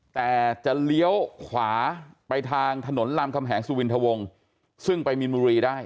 แต่จะเลี้ยวขวาไปทางถนนรามคำแหงสุวินทวงซึ่งไปมีนบุรีได้